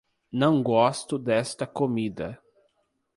Não gosto desta comida.